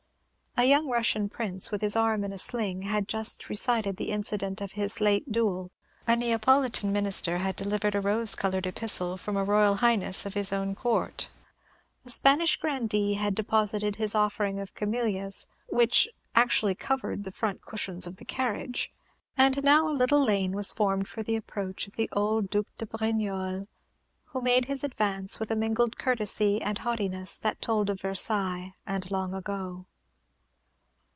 A young Russian Prince, with his arm in a sling, had just recited the incident of his' late duel; a Neapolitan Minister had delivered a rose colored epistle from a Royal Highness of his own court. A Spanish Grandee had deposited his offering of camellias, which actually covered the front cushions of the carriage; and now a little lane was formed for the approach of the old Duke de Brignolles, who made his advance with a mingled courtesy and haughtiness that told of Versailles and long ago.